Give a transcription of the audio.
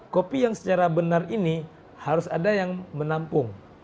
kopi yang secara benar ini harus ada yang menampung